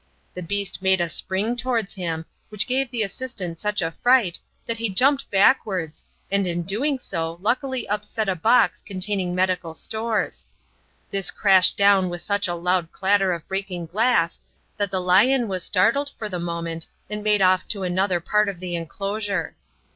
The beast made a spring towards him, which gave the Assistant such a fright that he jumped backwards, and in doing so luckily upset a box containing medical stores. This crashed down with such a loud clatter of breaking glass that the lion was startled for the moment and made off to another part of the enclosure.